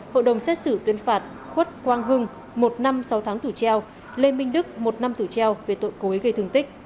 hội đồng xét xử tuyên phạt khuất quang hưng một năm sáu tháng thủ treo lê minh đức một năm thủ treo về tội cối gây thương tích